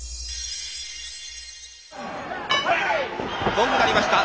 ゴング鳴りました。